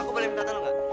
aku boleh minta tolong gak